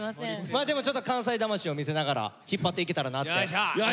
まあでもちょっと関西魂を見せながら引っ張っていけたらなって。